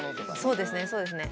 そうですねそうですね。